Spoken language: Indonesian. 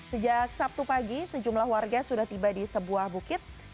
sejak sabtu pagi sejumlah warga sudah tiba di sebuah bukit